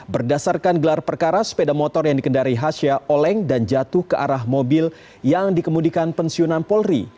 berdasarkan gelar perkara sepeda motor yang dikendari hasya oleng dan jatuh ke arah mobil yang dikemudikan pensiunan polri